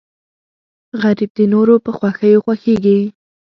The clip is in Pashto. غریب د نورو په خوښیو خوښېږي